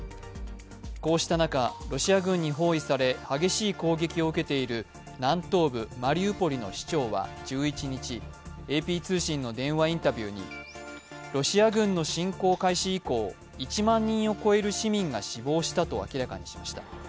こうした中、ロシア軍に包囲され激しい攻撃を受けている南東部マリウポリの市長は１１日、ＡＰ通信の電話インタビューにロシア軍の侵攻開始以降１万人を超える市民が死亡したと明らかにしました。